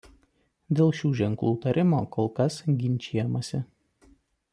Dėl šių ženklų tarimo kol kas ginčijamasi.